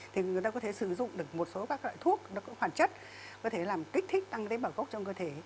thì người ta có thể sử dụng được một số các loại thuốc nó có hoàn chất có thể làm kích thích tăng tế bảo gốc trong cơ thể